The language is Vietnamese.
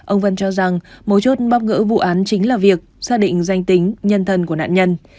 ông vân cho rằng mối chốt bóc gỡ vụ án chính là việc xác định danh tính nhân thân của nạn nhân